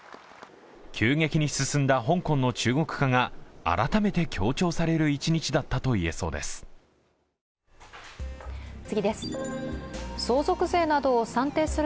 急激に進んだ香港の中国化が改めて強調される一日だったと言えそうです。